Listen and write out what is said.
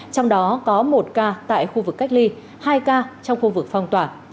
trong đó có một ca tại khu vực cách ly hai ca trong khu vực phong tỏa